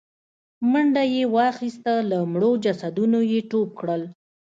منډه يې واخيسته، له مړو جسدونو يې ټوپ کړل.